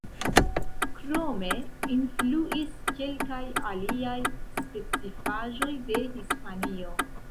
Krome, influis kelkaj aliaj specifaĵoj de Hispanio.